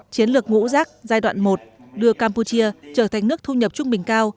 hai nghìn hai mươi ba hai nghìn hai mươi tám chiến lược ngũ rác giai đoạn một đưa campuchia trở thành nước thu nhập trung bình cao